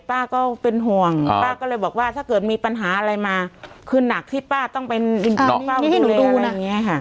ป้าก็เป็นห่วงป้าก็เลยบอกว่าถ้าเกิดมีปัญหาอะไรมาคือหนักที่ป้าต้องไปเฝ้าประตูอะไรอย่างนี้ค่ะ